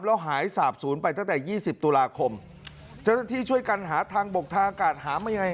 แล้วหายสาบศูนย์ไปตั้งแต่ยี่สิบตุลาคมจนที่ช่วยกันหาทางบกทางกาลหาไม่ไง